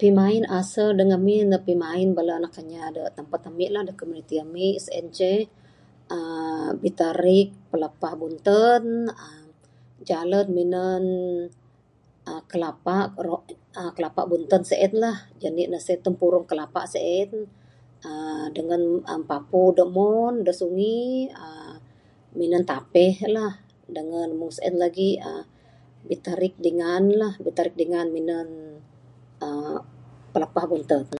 Pimain asel da ngamin ne pimain bala anak inya da tempet ami lah, da komuniti ami, sien incheh uhh bitarik pilapah bunten uhh, jalen minen uhh kelapa ro uhh kelapa bunten sien lah, janik ne sien tempurung kelapa ne sien uhh dengan aaa papu da omon da sungi uhh minen tapeh lah dengan meng sien lagi uhh bitarik dingan lah, bitarik dingan minen uhh pilapah bunten.